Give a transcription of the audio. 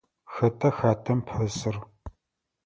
Xэтa хатэм пэсыр?